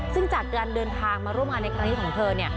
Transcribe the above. ซึ่งจากการเดินทางมาร่วมงานในครั้งนี้ของเธอเนี่ย